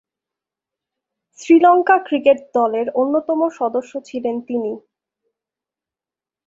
Sri Lanka cricket দলের অন্যতম সদস্য ছিলেন তিনি।